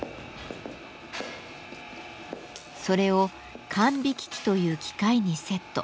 それを管引機という機械にセット。